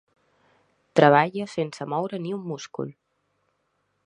Treballa sense moure ni un múscul.